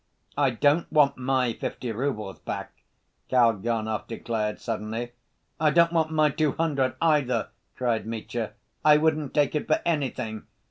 "I don't want my fifty roubles back," Kalganov declared suddenly. "I don't want my two hundred, either," cried Mitya, "I wouldn't take it for anything!